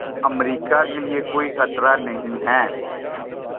امریکا کے لیے کوئی خطرہ نہیں ہیں